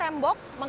ke lagi berkaitan